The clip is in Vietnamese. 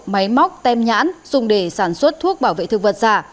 máy móc tem nhãn dùng để sản xuất thuốc bảo vệ thực vật giả